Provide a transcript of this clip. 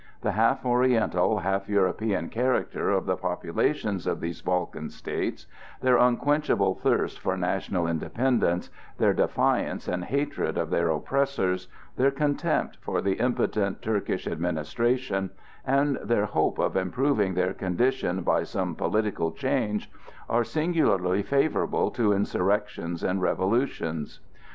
The half Oriental, half European character of the populations of these Balkan states, their unquenchable thirst for national independence, their defiance and hatred of their oppressors, their contempt for the impotent Turkish administration, and their hope of improving their condition by some political change,—are singularly favorable to insurrections and revolutions.